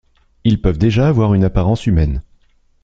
Ils peuvent déjà avoir une apparence humaine.